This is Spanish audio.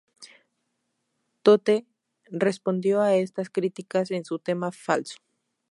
Tote respondió a estas críticas en su tema "Falso".